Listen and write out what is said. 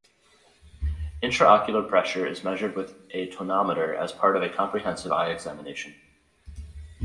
Intraocular pressure is measured with a tonometer as part of a comprehensive eye examination.